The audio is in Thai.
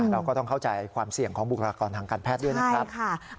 เราก็ต้องเข้าใจความเสี่ยงของบุคลากรทางการแพทย์ด้วยนะครับ